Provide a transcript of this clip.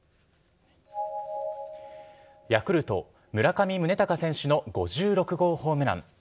ヤクルト、村上宗隆選手の５６号ホームラン。